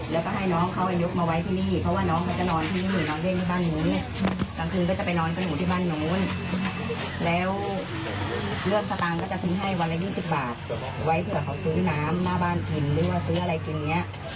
เลือกสตางค์ก็จะถึงให้วันละยี่สิบบาทไว้เถอะเขาซื้อน้ำหน้าบ้านหิ่นหรือว่าซื้ออะไรกินเงี้ย